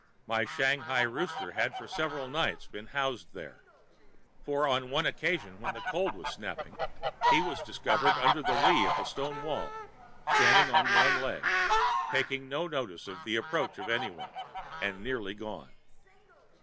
My Shanghai rooster had for several nights been housed up; for on one occasion, when the cold was snapping, he was discovered under the lee of a stone wall, standing[Pg 46] on one leg, taking no notice of the approach of any one, and nearly gone.